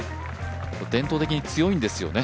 伝統的に強いんですよね